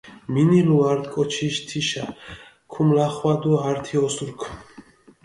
მინილუ ართი კოჩიში თიშა, ქუმლახვადუ ართი ოსურქ.